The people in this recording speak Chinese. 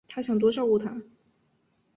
她想多照顾她